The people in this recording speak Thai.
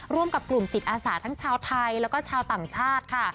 ร่วมกับกลุ่มจิตอาสาทั้งชาวไทยแล้วก็ชาวต่างชาติค่ะ